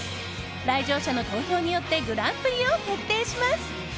来場者の投票によってグランプリを決定します。